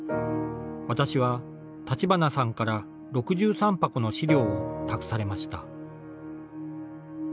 私は立花さんから６３箱の資料を託されました。